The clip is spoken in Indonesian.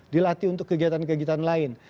dilatih untuk kegiatan kegiatan lain